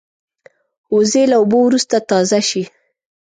وزې له اوبو وروسته تازه شي